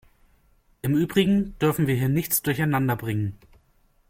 Im übrigen dürfen wir hier nichts durcheinanderbringen.